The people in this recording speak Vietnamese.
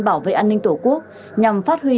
bảo vệ an ninh tổ quốc nhằm phát huy